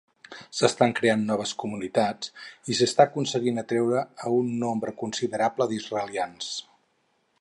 S'estan creant noves comunitats i s'està aconseguint atreure a un nombre considerable d'israelians.